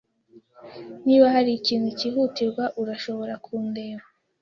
Niba hari ikintu cyihutirwa, urashobora kundeba.